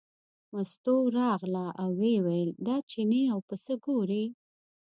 مستو راغله او ویې ویل دا چینی او پسه ګورې.